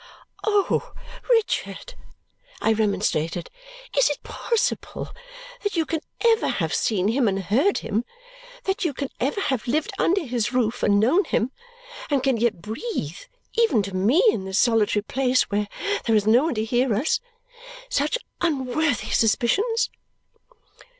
"Oh, Richard," I remonstrated, "is it possible that you can ever have seen him and heard him, that you can ever have lived under his roof and known him, and can yet breathe, even to me in this solitary place where there is no one to hear us, such unworthy suspicions?"